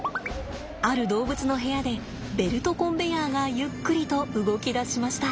ある動物の部屋でベルトコンベヤーがゆっくりと動き出しました。